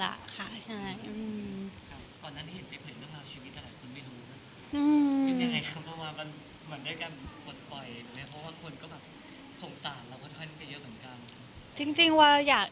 และรูปให้มันอาจอุ้ยกว่างกัน